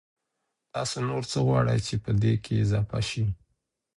تاسو نور څه غواړئ چي پدې کي اضافه سي؟